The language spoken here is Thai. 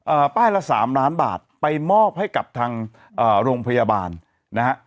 ป้ายละสามล้านบาทไปมอบให้กับทางเอ่อโรงพยาบาลนะฮะ